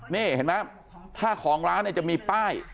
ไม่เห็นมั้ยถ้าของร้านจะมีป้าย